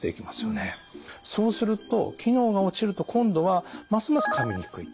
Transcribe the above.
そうすると機能が落ちると今度はますますかみにくい。